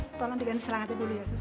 sus tolong diganti selangitnya dulu ya sus